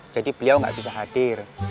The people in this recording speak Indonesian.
jadi beliau nggak bisa hadir